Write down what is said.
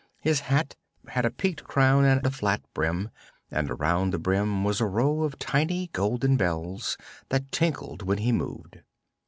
His hat had a peaked crown and a flat brim, and around the brim was a row of tiny golden bells that tinkled when he moved.